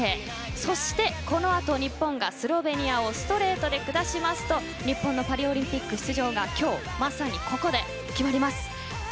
そして、このあと日本がスロベニアをストレートで下しますと日本のパリオリンピック出場が今日まさに、ここで決まります。